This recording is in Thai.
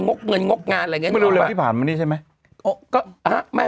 งกเงินงกงานอะไรแบบนี้